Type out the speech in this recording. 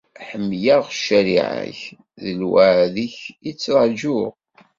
Ḥemmleɣ ccariɛa-k, d lweɛd-ik i ttraǧuɣ.